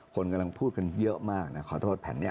คนกำลังพูดกันเยอะมากนะขอโทษแผ่นนี้